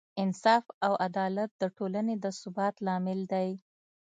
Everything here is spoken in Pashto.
انصاف او عدالت د ټولنې د ثبات لامل دی.